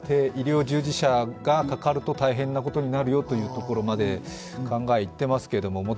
医療従事者がかかると大変なことになるよというところまでいっていますけど。